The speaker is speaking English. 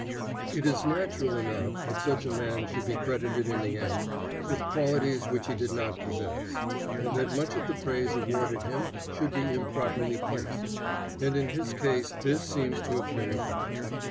It is natural enough that such a man should be credited in the end with qualities which he did not possess, and that much of the praise awarded him should be improperly placed; and in his case this seems to have been the fact.